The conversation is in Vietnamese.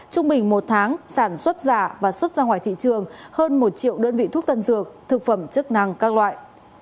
trung bình một tháng sản xuất giả và xuất ra ngoài thị trường hơn một triệu đơn vị thuốc tân dược thực phẩm chức năng các loại